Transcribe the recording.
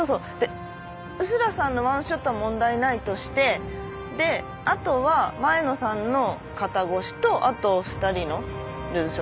臼田さんのワンショットは問題ないとしてであとは前野さんの肩越しとあと２人のルーズショット。